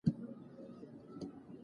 سوله اقتصادي پرمختګ هڅوي.